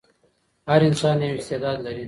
هر انسان یو استعداد لري.